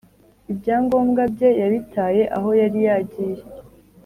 ibyangombwa bye yabitaye aho yari yagiye